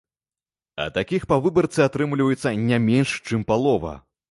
А такіх па выбарцы атрымліваецца не менш чым палова.